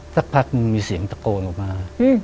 สักพักนึงมีเสียงตะโกนออกมา